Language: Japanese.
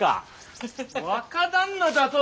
「若旦那」だと！？